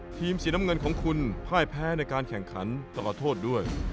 ทีมสีน้ำเงินของคุณพ่ายแพ้ในการแข่งขันต่อโทษด้วย